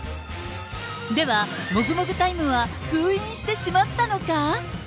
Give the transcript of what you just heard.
では、もぐもぐタイムは封印してしまったのか？